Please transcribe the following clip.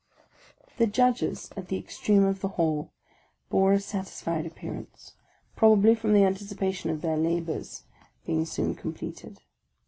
The Judges at the extreme of the hall bore a satisfied ap pearance, probably from the anticipation of their labours be ing soon completed.